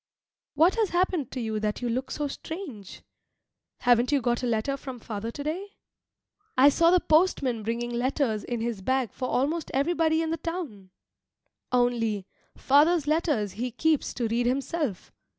What has happened to you that you look so strange? Haven't you got a letter from father to day? I saw the postman bringing letters in his bag for almost everybody in the town. Only, father's letters he keeps to read himself.